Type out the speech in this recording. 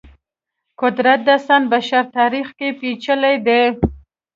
قدرت داستان بشر تاریخ کې پېچلي دی.